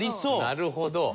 なるほど。